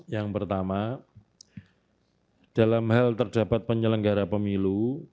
yang pertama dalam hal terdapat penyelenggara pemilu